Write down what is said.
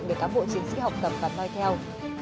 để các bộ chiến sĩ học tập và coi theo